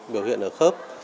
biểu hiện ở khớp